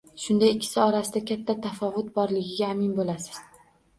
Shunda ikkisi orasida katta tafovut borligiga amin bo‘lasiz.